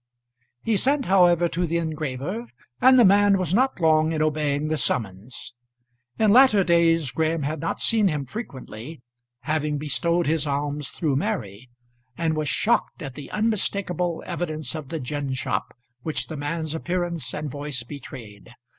He sent, however, to the engraver, and the man was not long in obeying the summons. In latter days Graham had not seen him frequently, having bestowed his alms through Mary, and was shocked at the unmistakable evidence of the gin shop which the man's appearance and voice betrayed.